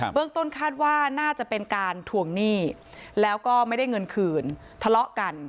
เรื่องต้นคาดว่าน่าจะเป็นการถวงหนี้แล้วก็ไม่ได้เงินคืนทะเลาะกัน